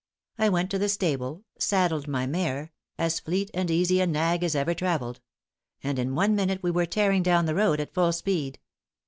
I went to the stable, saddled my mare as fleet and easy a nag as ever travelled; and in one minute we were tearing down the road at full speed.